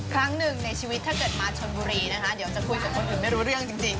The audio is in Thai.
ครั้งหนึ่งในชีวิตถ้าเกิดมาชนบุรีนะคะเดี๋ยวจะคุยกับคนอื่นไม่รู้เรื่องจริง